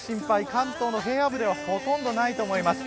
関東の平野部ではほとんどないと思います。